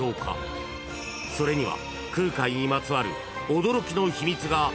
［それには］